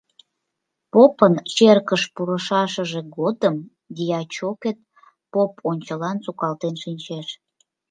Попын черкыш пурышашыже годым дьячокет поп ончылан сукалтен шинчеш: